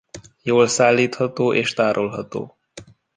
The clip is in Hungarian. Jól szállítható és tárolható.